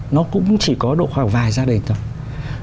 nó cũng chỉ có độ khoảng vài gia đình thôi